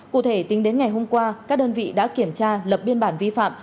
cụ thể tính đến ngày hôm qua các đơn vị đã kiểm tra lập biên bản vi phạm